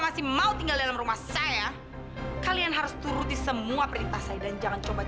atau kalau lo gak menurutin perintah gue